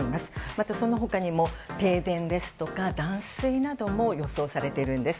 また、その他にも停電ですとか断水なども予想されているんです。